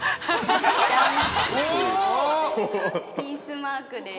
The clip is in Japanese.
◆じゃん、ピースマークです。